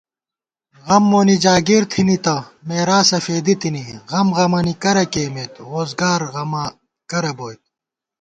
غم مونی جاگِیر تھنی تہ، مېراثہ فېدِی تِنی * غم غَمَنی کرہ کېئیمېت ووزگارغماں کرہ بوئیت